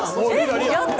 やった！